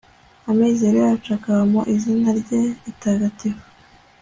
amizero yacu akaba mu izina rye ritagatifu